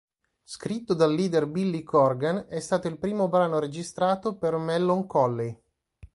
Scritto dal leader Billy Corgan è stato il primo brano registrato per "Mellon Collie".